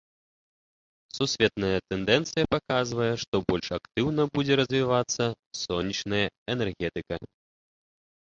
Сусветная тэндэнцыя паказвае, што больш актыўна будзе развівацца сонечная энергетыка.